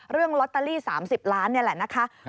เรื่องลอตเตอรี่๓๐ล้านนี่แหละนะคะ